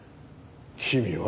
君は？